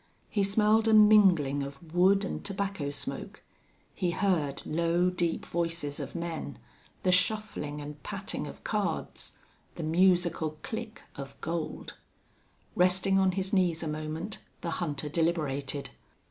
He smelled a mingling of wood and tobacco smoke; he heard low, deep voices of men; the shuffling and patting of cards; the musical click of gold. Resting on his knees a moment the hunter deliberated.